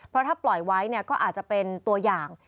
เพราะถ้าปล่อยไว้ก็อาจจะเป็นตัวอย่าง